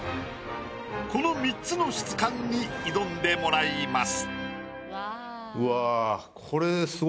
この３つの質感に挑んでもらいます。